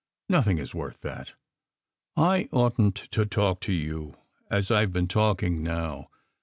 "Nothing is worth that ! I oughtn t to talk to you as I ve been talking now.